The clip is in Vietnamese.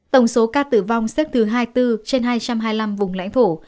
tổng số ca tử vong xếp thứ hai mươi bốn trên hai trăm hai mươi năm vùng lãnh thổ